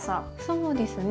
そうですね。